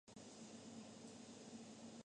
モンストをやろう